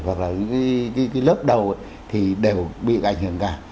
hoặc là lớp đầu thì đều bị ảnh hưởng cao